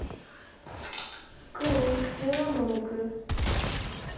黒１４の六。